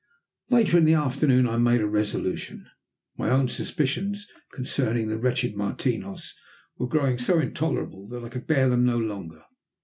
Later in the afternoon I made a resolution. My own suspicions concerning the wretched Martinos were growing so intolerable that I could bear them no longer.